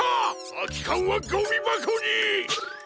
あきかんはゴミばこに！